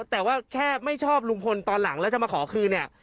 แต่ว่าแค่ไม่ชอบลุงพลตอนหลังแล้วจะมาขอคืนเนี่ย